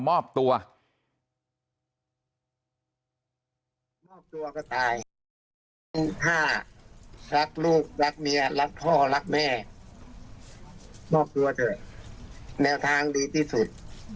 มอบตัวเถอะแนวทางดีที่สุด